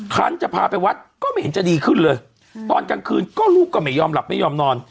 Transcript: คันจะพาไปวัดก็ไม่เห็นจะดีขึ้นเลยตอนกลางคืนก็ลูกก็ไม่ยอมหลับไม่ยอมนอน